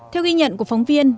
theo ghi nhận của phóng viên